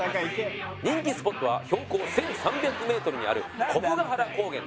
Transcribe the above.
人気スポットは標高１３００メートルにある古峰ヶ原高原で。